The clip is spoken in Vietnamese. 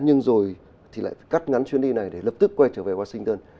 nhưng rồi thì lại cắt ngắn chuyến đi này để lập tức quay trở về washington